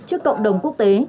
trước cộng đồng quốc tế